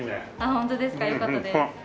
ホントですか。よかったです。